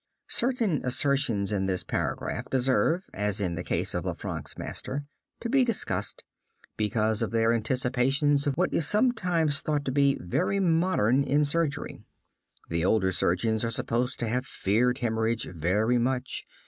Certain assertions in this paragraph deserve, as in the case of Lanfranc's master, to be discussed, because of their anticipations of what is sometimes thought to be very modern in surgery. The older surgeons are supposed to have feared hemorrhage very much.